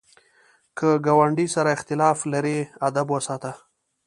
که ګاونډي سره اختلاف لرې، ادب وساته